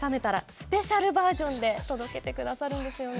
スペシャルバージョンで届けてくださるんですよね。